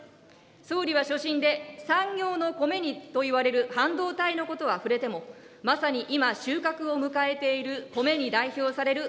総理は所信で、産業のコメといわれる半導体のことは触れても、まさに今、収穫を迎えているコメに代表される